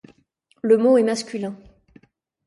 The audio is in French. Le mot est masculin.